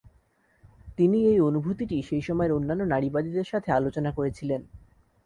তিনি এই অনুভূতিটি সেই সময়ের অন্যান্য নারীবাদীদের সাথে আলোচনা করেছিলেন।